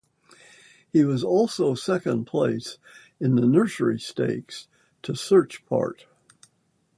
He was also second place in the Nursery Stakes to Search Part.